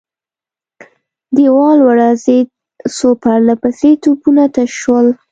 دېوال ولړزېد، څو پرله پسې توپونه تش شول.